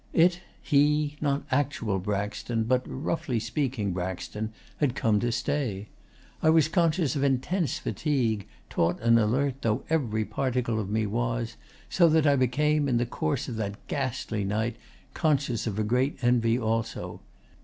It he not actual Braxton but, roughly speaking, Braxton had come to stay. I was conscious of intense fatigue, taut and alert though every particle of me was; so that I became, in the course of that ghastly night, conscious of a great envy also.